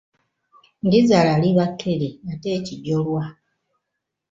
Ndizaala liba kkere ate ekijolwa?